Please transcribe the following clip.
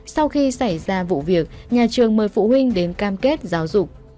sau khi xảy ra vụ việc nhà trường mời phụ huynh đến cam kết giáo dục